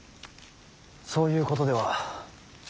そういうことでは。